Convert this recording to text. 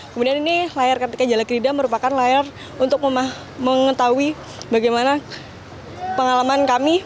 kemudian ini layar kartika jalekrida merupakan layar untuk mengetahui bagaimana pengalaman kami